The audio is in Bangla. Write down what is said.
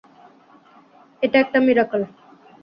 এটা একটা মিরাকল!